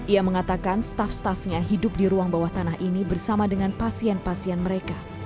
ia mengatakan staff staffnya hidup di ruang bawah tanah ini bersama dengan pasien pasien mereka